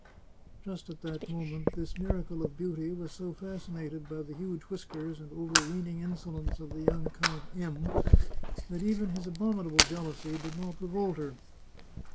Just at that moment this miracle of beauty was so fas cinated by the huge whiskers and overweening insolence of the young Count M that even his abominable jealousy 231 The Chartreuse of Parma did not revolt her.